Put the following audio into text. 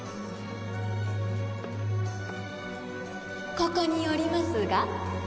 ここにおりますが？